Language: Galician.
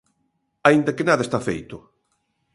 Aínda que nada está feito.